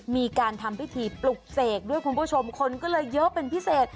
มีการทำพิธีปลุกเสกด้วยคุณผู้ชมคนก็เลยเยอะเป็นพิเศษ